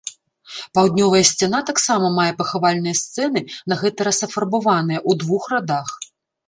Паўднёвая сцяна таксама мае пахавальныя сцэны, на гэты раз афарбаваныя, у двух радах.